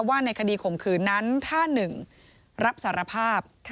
ในคดีข่มขืนนั้นถ้า๑รับสารภาพ